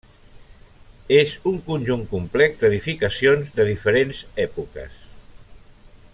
És un conjunt complex d'edificacions de diferents èpoques.